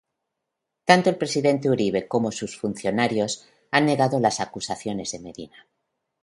Tanto el Presidente Uribe como sus funcionarios han negado las acusaciones de Medina.